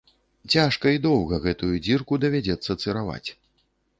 Цяжка і доўга гэтую дзірку давядзецца цыраваць.